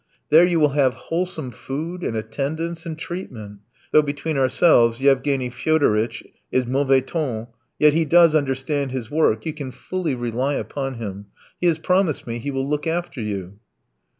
There you will have wholesome food and attendance and treatment. Though, between ourselves, Yevgeny Fyodoritch is mauvais ton, yet he does understand his work, you can fully rely upon him. He has promised me he will look after you."